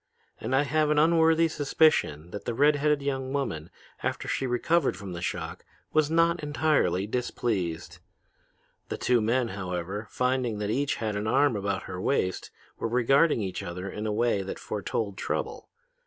And I have an unworthy suspicion that the red headed young woman, after she recovered from the shock, was not entirely displeased. The two men, however, finding that each had an arm about her waist, were regarding each other in a way that foretold trouble.